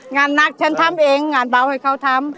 งานนักฉันทำเองงานเบาให้เขาทำ